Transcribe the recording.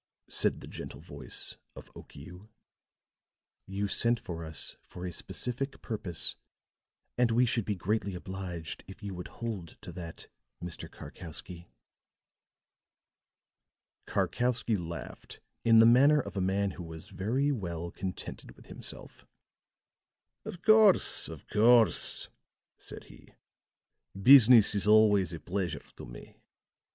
said the gentle voice of Okiu. "You sent for us for a specific purpose, and we should be greatly obliged if you would hold to that, Mr. Karkowsky." Karkowsky laughed in the manner of a man who was very well contented with himself. "Of course, of course," said he. "Business is always a pleasure to me.